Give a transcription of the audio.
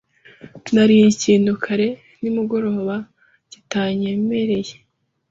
Nariye ikintu kare nimugoroba kitanyemereye.